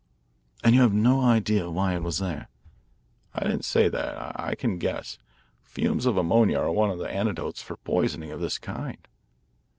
"And you have no idea why it was there?" "I didn't say that. I can guess. Fumes of ammonia are one of the antidotes for poisoning of this kind."